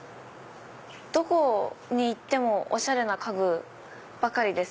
どこにいてもおしゃれな家具ばかりですね。